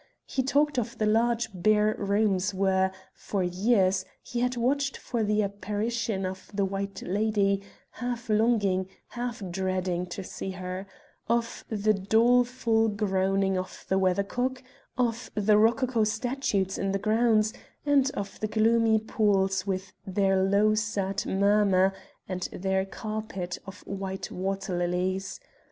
He talked of the large bare rooms where, for years, he had watched for the apparition of the white lady, half longing, half dreading to see her; of the doleful groaning of the weather cock of the rococo statues in the grounds, and of the gloomy pools with their low sad murmur, and their carpet of white waterlilies.